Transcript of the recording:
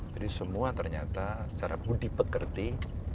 jadi semua ternyata secara budi pekerti